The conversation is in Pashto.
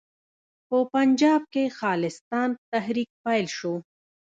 په پنجاب کې د خالصتان تحریک پیل شو.